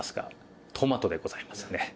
トマトでございますよね。